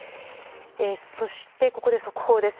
そして、ここで速報です。